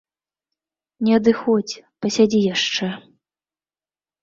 Не адыходзь, пасядзі яшчэ.